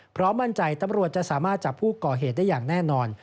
มั่นใจตำรวจจะสามารถจับผู้ก่อเหตุได้อย่างแน่นอน